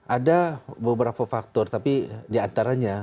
ada beberapa faktor tapi diantaranya